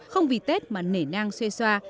không vì tết mà nể nang xoe xoa